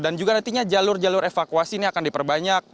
dan juga nantinya jalur jalur evakuasi ini akan diperbanyak